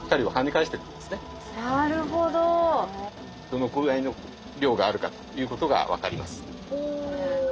どのくらいの量があるかっていうことが分かります。